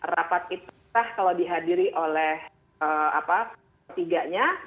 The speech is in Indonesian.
rapat itu sah kalau dihadiri oleh ketiganya